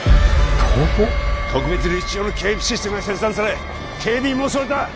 特別留置所の警備システムが切断され警備員も襲われた！